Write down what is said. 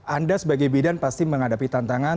anda sebagai bidan pasti menghadapi tantangan